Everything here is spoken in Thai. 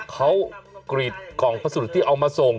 เขากรีดกล่องพัสดุที่เอามาส่ง